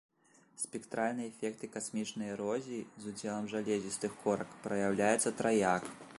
Спектральныя эфекты касмічнай эрозіі, з удзелам жалезістых корак, праяўляюцца траяк.